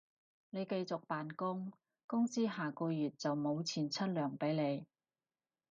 你繼續扮工，公司下個月就無錢出糧畀你